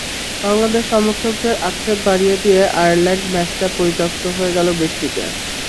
বাংলাদেশ সমর্থকদের আক্ষেপ বাড়িয়ে দিয়ে আয়ারল্যান্ড ম্যাচটা পরিত্যক্ত হয়ে গেল বৃষ্টিতে।